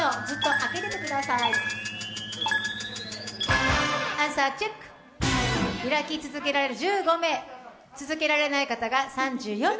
アンサーチェック、開き続けられる１５名続けられない方が３４名。